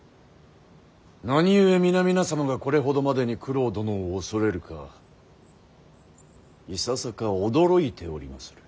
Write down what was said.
何故皆々様がこれほどまでに九郎殿を恐れるかいささか驚いておりまする。